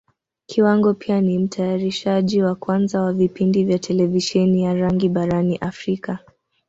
Kiwango pia ni Mtayarishaji wa kwanza wa vipindi vya Televisheni ya rangi barani Africa.